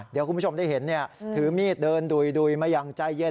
เดี๋ยวคุณผู้ชมได้เห็นถือมีดเดินดุยมาอย่างใจเย็น